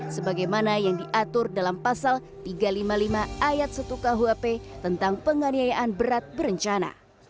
sebagaimana yang diatur dalam pasal tiga ratus lima puluh lima ayat satu kuhp tentang penganiayaan berat berencana